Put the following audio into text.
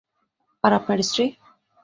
আর আপনার স্ত্রী?